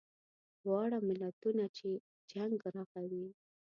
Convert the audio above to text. واړه ملتونه چې جنګ رغوي.